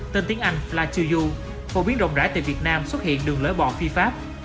tên tiếng anh la chiu yu phổ biến rộng rãi tại việt nam xuất hiện đường lưỡi bò phi pháp